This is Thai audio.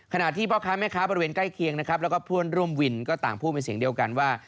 ขณะที่พ่อค้าแม่ค้าประเวนใกล้เคียงและพี่ผู้ร่วมหุ่นก็ต่างพูดเป็นเสียงเดียวกันว่า